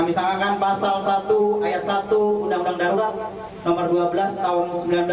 misalkan pasal satu ayat satu undang undang darurat nomor dua belas tahun seribu sembilan ratus sembilan puluh